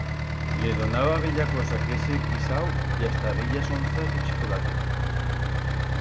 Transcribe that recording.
Le donaba bella cosa que hese guisau y hasta bellas onzas de chicolate.